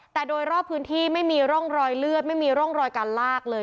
แต่โดยรอบพื้นที่ไม่มีร่องรอยเลือดไม่มีร่องรอยการลากเลย